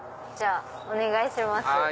じゃあお願いします。